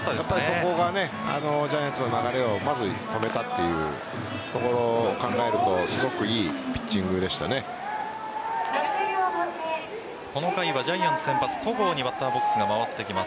そこからジャイアンツの流れを止めたというところを考えるとこの回はジャイアンツ先発・戸郷にバッターボックスが回ってきます。